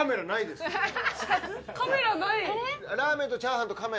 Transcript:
カメラない。